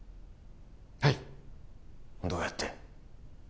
はいどうやって？